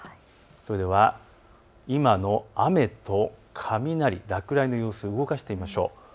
それでは今の雨と雷、落雷の様子を動かしてみましょう。